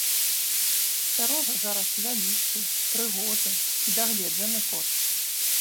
Сярожа зараз вялікі, прыгожы і дагледжаны кот.